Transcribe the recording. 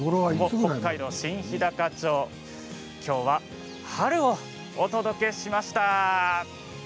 北海道新ひだか町、きょうは春をお届けしました。